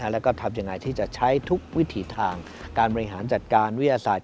แล้วก็ทำยังไงที่จะใช้ทุกวิถีทางการบริหารจัดการวิทยาศาสตร์